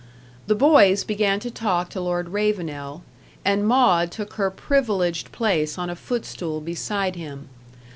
The boys began to talk to Lord Ravenel: and Maud took her privileged place on a footstool beside him.